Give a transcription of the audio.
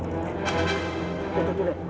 eh tuh tuh tuh nih